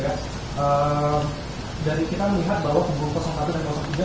jadi kita melihat bahwa tim satu dan tiga